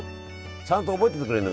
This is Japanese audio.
ちゃんと覚えててくれんのもいいよね。